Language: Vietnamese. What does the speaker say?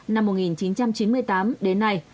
năm một nghìn chín trăm chín mươi tám đến nay